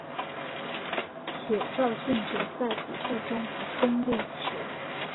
且肇俊哲在比赛中还攻入一球。